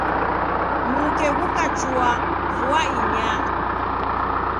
Mruke ghukachua vua inyaa.